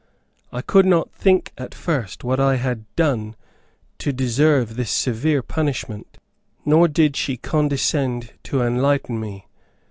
I could not think at first what I had done to deserve this severe punishment, nor did she condescend to enlighten me.